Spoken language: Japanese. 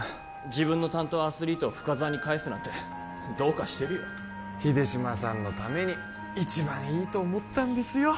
自分の担当アスリートを深沢に返すなんてどうかしてるよ秀島さんのために一番いいと思ったんですよ